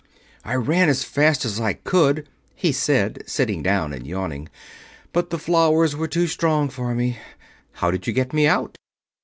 "I ran as fast as I could," he said, sitting down and yawning, "but the flowers were too strong for me. How did you get me out?"